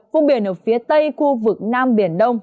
vùng biển ở phía tây khu vực nam biển đông